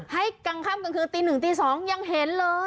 ให้กลางค่ำกลางคือตีหนึ่งตีสองยังเห็นเลย